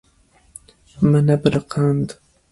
Me nebiriqand.